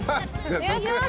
お願いします。